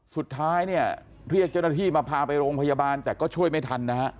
สุดท้ายเนี่ยเรียกเจ้าหน้าที่มาพาไปโรงพยาบาลแต่ก็ช่วยไม่ทันนะฮะ